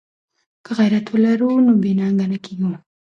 که غیرت ولرو نو بې ننګه نه کیږو.